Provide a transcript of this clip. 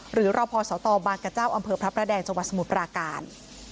หรือราวพอสตบาลกระเจ้าอำเภอพระพระแดงจวัสสมุพราการ